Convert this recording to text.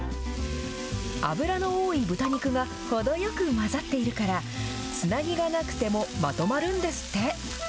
脂の多い豚肉が程よく混ざっているから、つなぎがなくてもまとまるんですって。